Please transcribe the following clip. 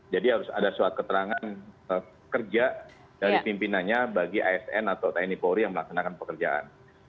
jadi harus ada suatu keterangan kerja dari pimpinannya bagi asn atau tni polri yang melaksanakan pekerjaan